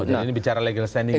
oh jadi ini bicara legal standing ya